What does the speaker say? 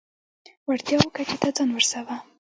وړتیاوو کچه ته ځان ورسوو.